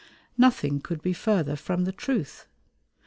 Nothing could be further from the truth.